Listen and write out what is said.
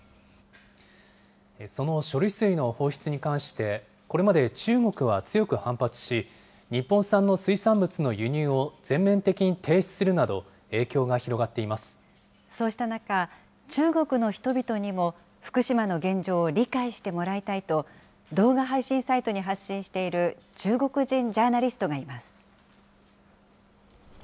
その処理水の放出に関して、これまで中国は強く反発し、日本産の水産物の輸入を全面的に停止そうした中、中国の人々にも福島の現状を理解してもらいたいと、動画配信サイトに発信している中国人ジャーナリストがいます。